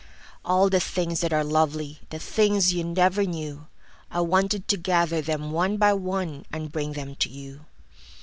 All the things that are lovely—The things you never knew—I wanted to gather them one by oneAnd bring them to you.